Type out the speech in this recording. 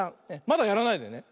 まだやらないでね。